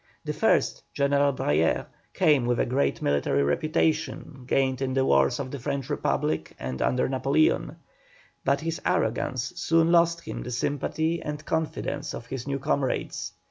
The first, General Brayer, came with a great military reputation, gained in the wars of the French Republic and under Napoleon; but his arrogance soon lost him the sympathy and confidence of his new comrades.